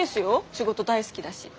仕事大好きだし。